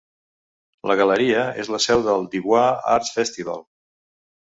La galeria és la seu del DuBois Arts Festival.